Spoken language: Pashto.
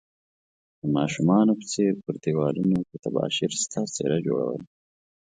د ماشومانو په څير پر ديوالونو په تباشير ستا څيره جوړول